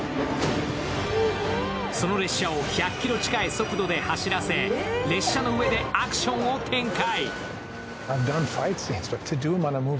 その列車を１００キロ近い速度で走らせ列車の上でアクションを展開。